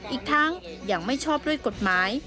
อีกทั้งยังไม่ชอบด้วยกฎหมาย